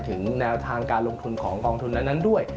ถึงแนวทางการลงทุนของกองทุนนั้นด้วย